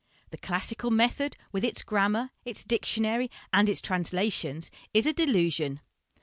The classical method, with its grammar, its dictionary, and its translations, is a delusion."